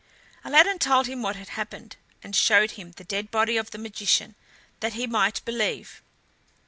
Aladdin told him what had happened, and showed him the dead body of the magician, that he might believe.